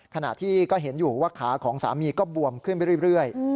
ขณะที่ก็เห็นอยู่ว่าขาของสามีก็บวมขึ้นไปเรื่อย